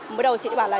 mới đầu chị bảo là